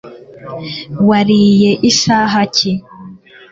wariye isaha ki